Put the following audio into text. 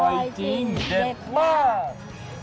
อร่อยจริงครับ